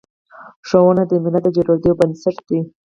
ښوونه د ملت د جوړیدو بنسټ دی.